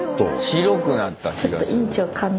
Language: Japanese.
白くなった気がする。